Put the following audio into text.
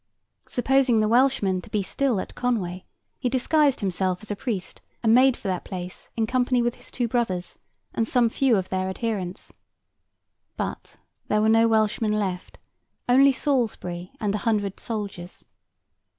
Supposing the Welshmen to be still at Conway, he disguised himself as a priest, and made for that place in company with his two brothers and some few of their adherents. But, there were no Welshmen left—only Salisbury and a hundred soldiers.